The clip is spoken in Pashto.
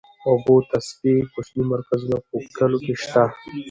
د اوبو د تصفیې کوچني مرکزونه په کليو کې شته.